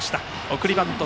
送りバント